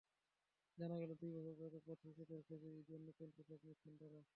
জানা গেল, দুই বছর ধরে পথশিশুদের খোঁজে ঈদের নতুন পোশাক দিচ্ছেন তাঁরা।